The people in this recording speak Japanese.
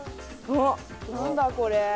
何だこれ？